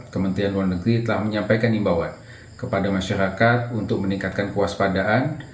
kementerian luar negeri telah menyampaikan imbauan kepada masyarakat untuk meningkatkan kewaspadaan